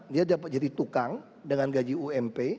dia jadi tukang dengan gaji ump